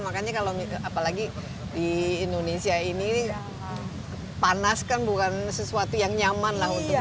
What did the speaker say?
makanya kalau apalagi di indonesia ini panas kan bukan sesuatu yang nyaman lah untuk